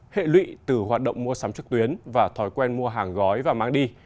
hệ lụy từ hoạt động mua sắm trực tuyến và thói quen mua hàng gói